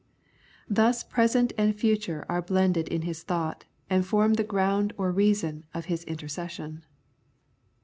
Thus present and future are blended in his thought, and form the ground or reason of his intercession.